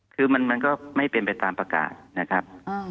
คือมันก็ไม่เป็นไปตามประกาศนะครับ